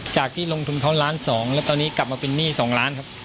จากที่ลงทุนเขาล้านสองแล้วตอนนี้กลับมาเป็นหนี้๒ล้านครับ